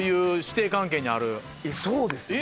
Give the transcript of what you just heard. そうですよ。